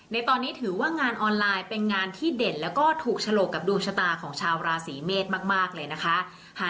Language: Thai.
ในตอนนี้ถือว่างานออนไลน์เป็นงานที่เด่นแล้วก็ถูกฉลกกับดวงชะตาของชาวราศีเมษมากเลยนะคะ